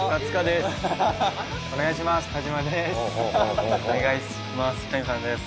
お願いします。